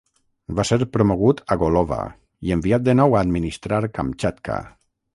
Va ser promogut a Golova i enviat de nou a administrar Kamchatka.